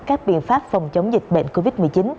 các biện pháp phòng chống dịch bệnh covid một mươi chín